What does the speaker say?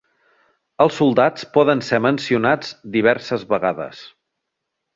Els soldats poden ser mencionats diverses vegades.